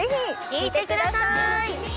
聴いてください！